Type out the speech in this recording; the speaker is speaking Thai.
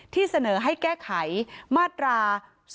ที่เสนอให้แก้ไขมาตรา๒๕๖